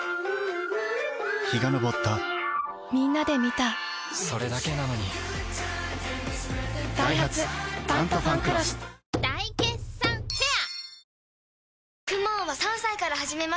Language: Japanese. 陽が昇ったみんなで観たそれだけなのにダイハツ「タントファンクロス」大決算フェア